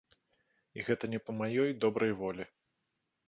І гэта не па маёй добрай волі.